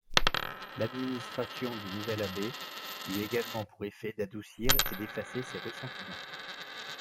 L’administration du nouvel abbé eut également pour effet d’adoucir et d’effacer ces ressentiments.